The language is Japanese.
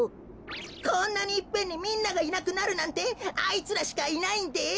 こんなにいっぺんにみんながいなくなるなんてあいつらしかいないんです。